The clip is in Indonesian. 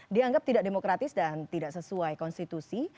dianggap tidak demokratis dan tidak sesuai konstitusi